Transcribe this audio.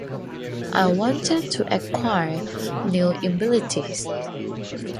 I wanted to acquire new abilities.